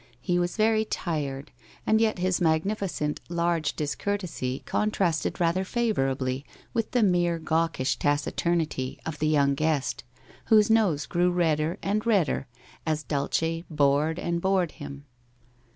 He was very tired, and yet his magnificent large discourtesy contrasted rather favourably with the mere gawkish taciturnity of the young guest, whoso nose grew redder and redder as Dulce bored and bored him.